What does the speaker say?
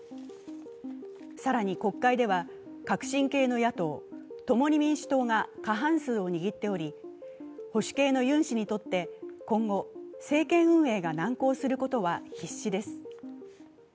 更に、国会では革新系の野党・共に民主党が過半数を握っており、保守系のユン氏にとって今後、政権運営が難航することは必至です。